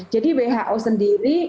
jadi who sendiri